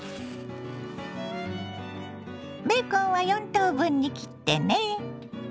ベーコンは４等分に切ってね。